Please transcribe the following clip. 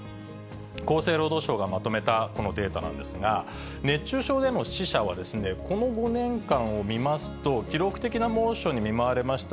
厚生労働省がまとめたこのデータなんですが、熱中症での死者はこの５年間を見ますと、記録的な猛暑に見舞われました